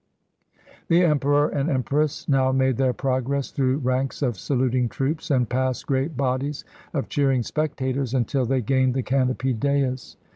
The Emperor and Empress now made their progress through ranks of saluting troops, and past great bodies of cheering spectators, until they gained the canopied dais.